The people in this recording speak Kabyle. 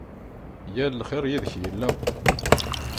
Yal lxir yid-k yella.